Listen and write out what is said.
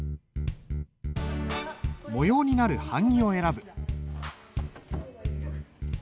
模様になる版木を選ぶ。